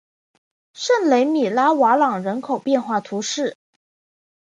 圣雷米拉瓦朗人口变化图示